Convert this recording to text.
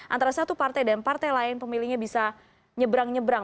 antara satu partai dan partai lain pemilihnya bisa nyebrang nyebrang